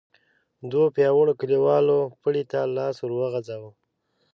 دوو پياوړو کليوالو پړي ته لاس ور وغځاوه.